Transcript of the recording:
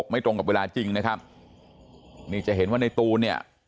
ไม่ตรงกับเวลาจริงนะครับนี่จะเห็นว่าในตูนเนี่ย